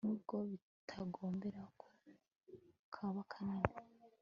n'ubwo bitagombera ko kaba kanini